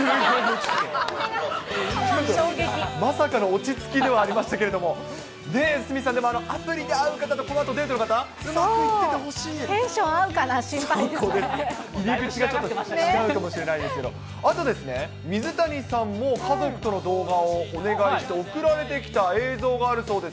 まさかの落ち着きではありましたけれども、鷲見さん、でも、アプリで会う方と、このあと、デートの方、うまくいっててほしテンション合うかなっていう入り口がちょっと違うかもしれないですけど、あと、水谷さんも家族との動画をお願いして、送られてきた映像があるそうです。